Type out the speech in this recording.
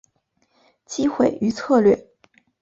机会与策略